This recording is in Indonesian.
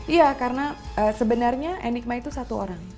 iya karena sebenarnya enigma itu satu orang